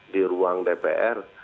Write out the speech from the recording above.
di ruang dpr